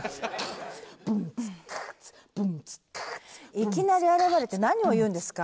いきなり現れて何を言うんですか？